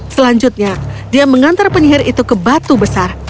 selanjutnya dia mengantar penyihir itu ke batu besar